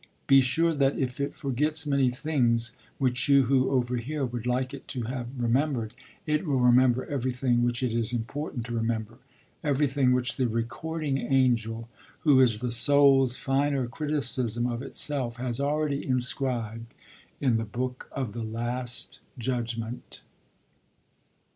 Be sure that, if it forgets many things which you, who overhear, would like it to have remembered, it will remember everything which it is important to remember, everything which the recording angel, who is the soul's finer criticism of itself, has already inscribed in the book of the last judgment.